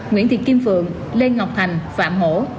nguyễn thị kim phượng lê ngọc thành phạm hổ